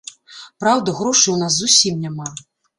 Праўда, грошай у нас зусім няма.